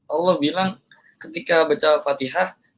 allah bilang ketika baca fatihah